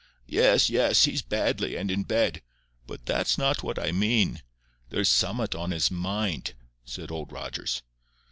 "Yes, yes; he's badly, and in bed. But that's not what I mean. There's summat on his mind," said Old Rogers.